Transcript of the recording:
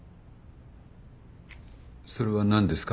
それは何ですか？